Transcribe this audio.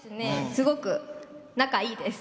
すごく仲いいです。